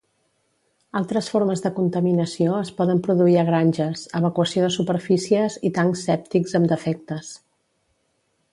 Altres formes de contaminació es poden produir a granges, evacuació de superfícies i tancs sèptics amb defectes.